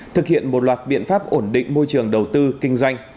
thực hiện một loạt biện pháp ổn định môi trường đầu tư kinh doanh